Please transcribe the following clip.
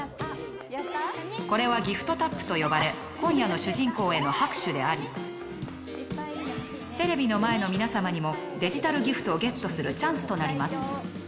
これはギフトタップと呼ばれ今夜の主人公への拍手でありテレビの前の皆さまにもデジタルギフトをゲットするチャンスとなります。